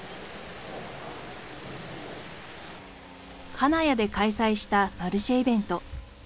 金谷で開催したマルシェイベント。